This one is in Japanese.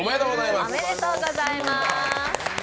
おめでとうございます。